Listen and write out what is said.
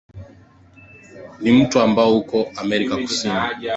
Ni mto ambao uko Amerika Kusini na